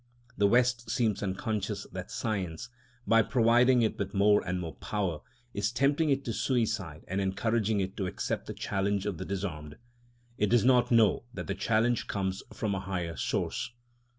The West seems unconscious that Science, by providing it with more and more power, is tempting it to suicide and encouraging it to accept the challenge of the disarmed; it does not know that the challenge comes from a higher source.